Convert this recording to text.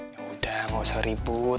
yaudah gak usah ribut